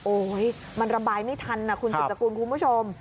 โอ้ยมันระบายไม่ทันนะคุณสุจกรุงคุณผู้ชม